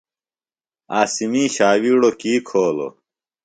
عاصمی ݜاوِیڑوۡ کی کھولوۡ؟